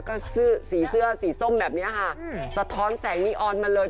ก็เสื้อสีเสื้อสีส้มแบบนี้ค่ะสะท้อนแสงมีออนมาเลย